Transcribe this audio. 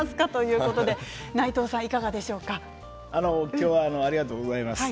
今日はありがとうございます。